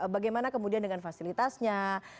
bagaimana kemudian dengan fasilitasnya